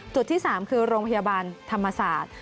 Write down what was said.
จุดที่๓คือโรงพยาบาลธรรมศาสตร์